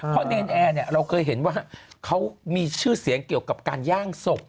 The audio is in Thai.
เพราะเนรนแอร์เนี่ยเราเคยเห็นว่าเขามีชื่อเสียงเกี่ยวกับการย่างศพ